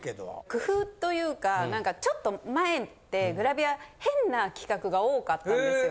工夫というか何かちょっと前ってグラビア変な企画が多かったんですよ。